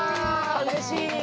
うれしい！